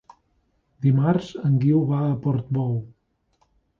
Dimarts en Guiu va a Portbou.